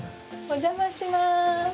お邪魔します。